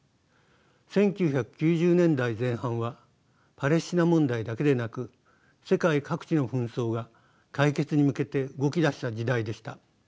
１９９０年代前半はパレスチナ問題だけでなく世界各地の紛争が解決に向けて動き出した時代でした。